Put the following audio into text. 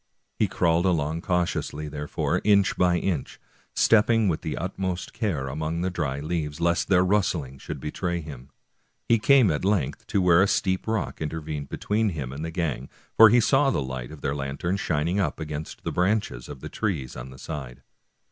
He crawled along cautiously, there fore, inch by inch, stepping with the utmost care among the dry leaves, lest their rustling should betray him. He came at length to where a steep rock intervened between him and the gang, for he saw the light of their lantern shining up against the branches of the trees on the other side.